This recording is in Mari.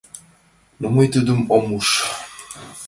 Но мый тудым ом уж.